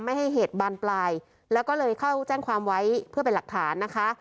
ไม่ให้เหตุบานปลายแล้วก็เลยเข้าแจ้งความไว้เพื่อเป็นหลักฐานนะคะ